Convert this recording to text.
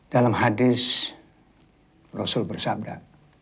dalam hadis rasul bersabda